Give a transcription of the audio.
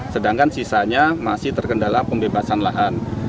sedangkan sisanya masih terkendala pembebasan lahan